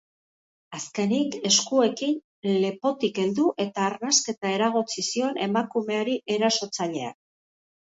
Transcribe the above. Azkenik, eskuekin lepotik heldu eta arnasketa eragotzi zion emakumeari erasotzaileak.